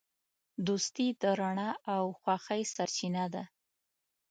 دوستي د رڼا او خوښۍ سرچینه ده.